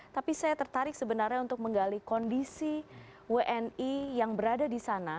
tapi saya tertarik sebenarnya untuk menggali kondisi wni yang berada di sana